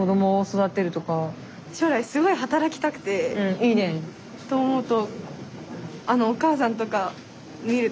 いいね。と思うと